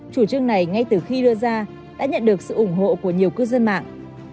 chủ trương này ngay từ khi đưa ra đã nhận được sự ủng hộ của nhiều cư dân mạng